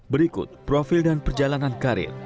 berikut profil dan perjalanan karir